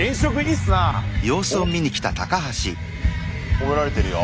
褒められてるよ。